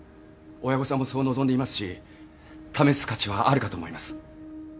親御さんもそう望んでいますし試す価値はあるかと思います